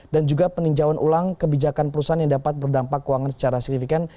dan juga peninjauan ulang kebijakan perusahaan yang dapat berdampak keuangan secara signifikan